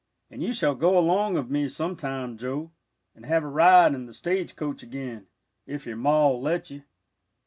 And you shall go along of me sometime, Joe, and have a ride in th' stage coach again, if your Ma'll let you."